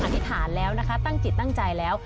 ธิษฐานแล้วนะคะตั้งจิตตั้งใจแล้ว